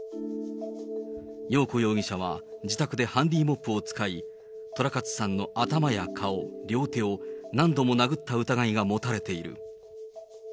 よう子容疑者は、自宅でハンディーモップを使い、寅勝さんの頭や顔、両手を何度も殴った疑いが持たれている。